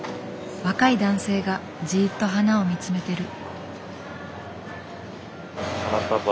若い男性がじっと花を見つめてる。